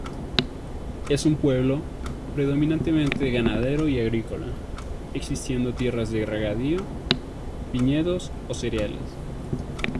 Es un pueblo predominantemente ganadero y agrícola, existiendo tierras de regadío, viñedos o cereales.